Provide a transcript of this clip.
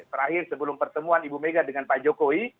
terakhir sebelum pertemuan ibu mega dengan pak jokowi